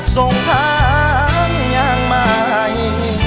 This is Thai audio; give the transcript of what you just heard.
ส่งทางอย่างใหม่